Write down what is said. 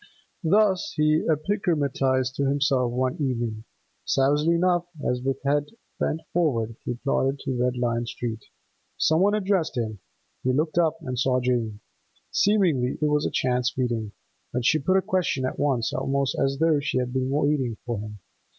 Thus he epigrammatised to himself one evening, savagely enough, as with head bent forward he plodded to Red Lion Street. Some one addressed him; he looked up and saw Jane. Seemingly it was a chance meeting, but she put a question at once almost as though she had been waiting for him.